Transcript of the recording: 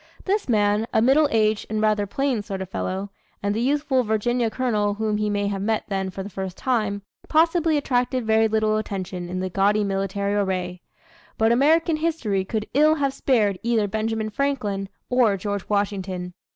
This man, a middle aged and rather plain sort of fellow and the youthful Virginia colonel whom he may have met then for the first time possibly attracted very little attention in the gaudy military array. But American history could ill have spared either Benjamin Franklin or George Washington.